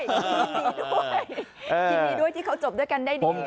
ยินดีด้วยที่เขาจบด้วยกันได้ดี